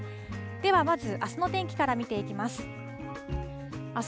ではまず、あすの天気から見ていきます。